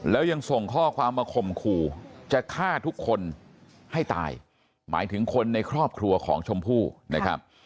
แล้วยังส่งข้อความมาข่มขู่จะฆ่าทุกคนให้ตายหมายถึงคนในครอบครัวของชมพู่นะครับ